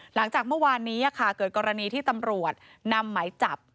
หลังจากเมื่อวานนี้เกิดกรณีที่ตำรวจนำหมายจับ